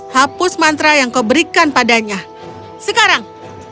hapus mantra yang kau berikan padanya sekarang